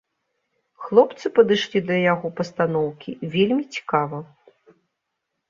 Хлопцы падышлі да яго пастаноўкі вельмі цікава.